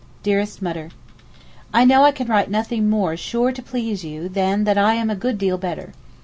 DEAREST MUTTER, I know I can write nothing more sure to please you than that I am a good deal better.